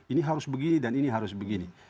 ini harus begini dan ini harus begini